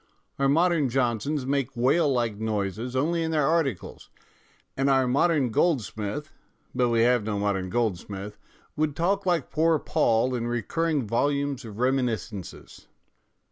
Our modern Johnsons make whale like noises only in their articles, and our modern Goldsmith but we have no modern Gold smith would talk like poor Poll in recurring volumes of reminiscences.